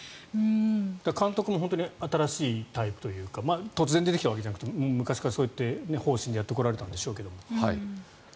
監督も新しいタイプというか突然出てきたわけじゃなくて昔からそういう方針でやってこられたんでしょうけど。